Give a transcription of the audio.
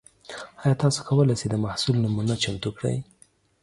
ایا تاسو کولی شئ د محصول نمونه چمتو کړئ؟